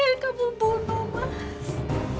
yang kamu bunuh mas